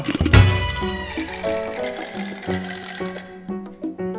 wahyu udah siap